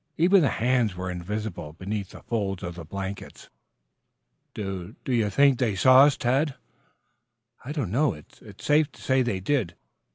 Even the hands were invisible beneath the folds of the blankets. "D d do you think they saw us, Tad?" "I don't know. It's safe to say they did.